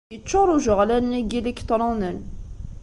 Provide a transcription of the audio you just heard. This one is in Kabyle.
Yeččuṛ ujeɣlal-nni n yiliktṛunen.